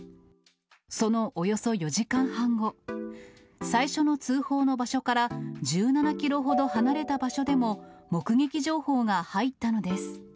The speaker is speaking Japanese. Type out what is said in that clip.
そのおよそ４時間半後、最初の通報の場所から１７キロほど離れた場所でも、目撃情報が入ったのです。